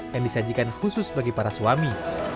yang disajikan khusus bagi para suami